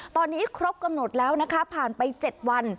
ตอนนี้ครบกำหนดแล้วนะคะผ่านไป๗วัน